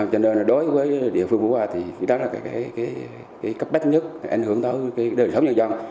cho nên đối với địa phương phú hòa đó là cấp bách nhất ảnh hưởng tới đời sống nhân dân